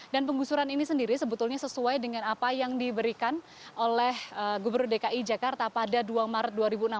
dan penggusuran ini sendiri sebetulnya sesuai dengan apa yang diberikan oleh gubernur dki jakarta pada dua maret dua ribu enam belas